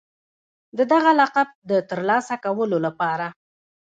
د دغه لقب د ترلاسه کولو لپاره